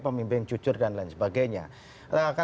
pemimpin jujur dan lain sebagainya